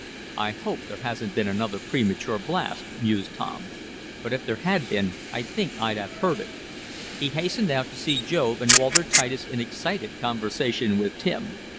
"I hope there hasn't been another premature blast," mused Tom. "But if there had been I think I'd have heard it." He hastened out to see Job and Walter Titus in excited conversation with Tim.